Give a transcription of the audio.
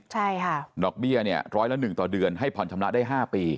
ใช่ค่ะดอกเบี้ยเนี่ยร้อยละ๑ต่อเดือนให้ผ่อนชำระได้๕ปี